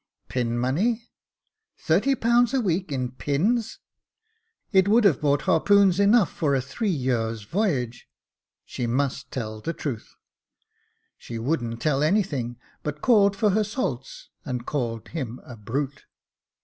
Pin money ! thirty pounds a week in pins I it would have bought harpoons enough for a three years' voyage. She must tell the truth. She wouldn't tell anything, but called for her salts, and called him a brute.